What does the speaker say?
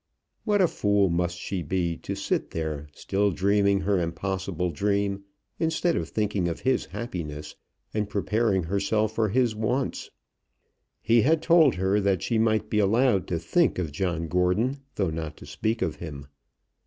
What a fool must she be to sit there, still dreaming her impossible dream, instead of thinking of his happiness, and preparing herself for his wants! He had told her that she might be allowed to think of John Gordon, though not to speak of him.